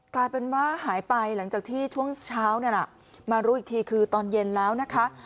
กลายเป็นว่าหายไปหลังจากที่ช่วงเช้านี่แหละมารู้อีกทีคือตอนเย็นแล้วนะคะ